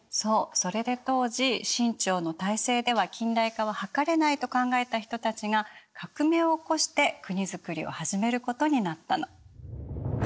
それで当時清朝の体制では近代化を図れないと考えた人たちが革命を起こして国づくりを始めることになったの。